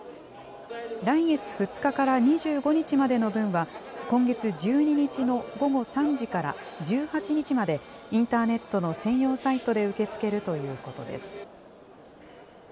来月２日から２５日までの分は、今月１２日の午後３時から１８日まで、インターネットの専用サイトで受け付けるということです。